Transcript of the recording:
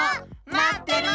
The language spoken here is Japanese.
まってるよ！